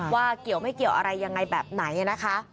เกี่ยวไม่เกี่ยวอะไรยังไงแบบไหนนะคะ